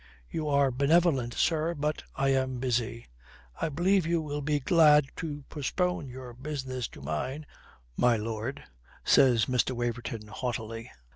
"You are benevolent, sir, but I am busy." "I believe you will be glad to postpone your business to mine, my lord," says Mr. Waverton haughtily.